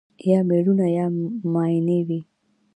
یا مېړونه یا ماينې وي